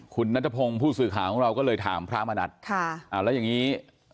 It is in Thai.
คุณนัทพงศ์ผู้สื่อข่าวของเราก็เลยถามพระมณัฐค่ะอ่าแล้วอย่างนี้